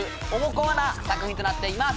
こわな作品となっています